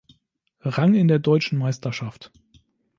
Rang in der deutschen Meisterschaft.